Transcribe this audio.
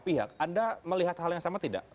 pihak anda melihat hal yang sama tidak